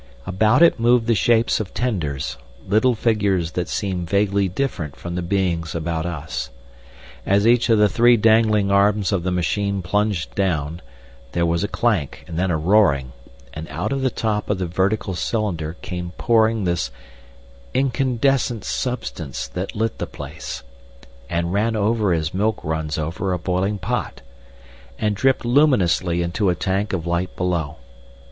About it moved the shapes of tenders, little figures that seemed vaguely different from the beings about us. As each of the three dangling arms of the machine plunged down, there was a clank and then a roaring, and out of the top of the vertical cylinder came pouring this incandescent substance that lit the place, and ran over as milk runs over a boiling pot, and dripped luminously into a tank of light below.